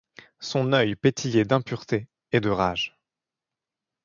Son oeil pétillait d'impureté et de rage.